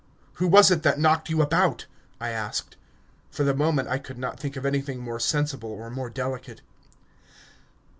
"Who was it that knocked you about?" I asked. For the moment I could not think of anything more sensible or more delicate.